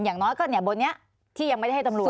อย่างน้อยก็เนี่ยบนนี้ที่ยังไม่ได้ให้ตำรวจ